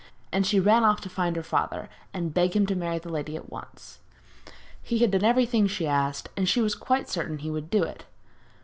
And she ran off to find her father, and beg him to marry the lady at once. He had done everything she asked, and she was quite certain he would do it.